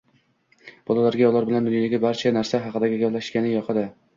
Bolalarga ular bilan dunyodagi barcha narsa haqida gaplashishgani yoqadi.